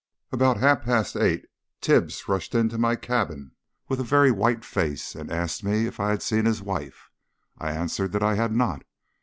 About half past eight Tibbs rushed into my cabin with a very white face and asked me if I had seen his wife. I answered that I had not.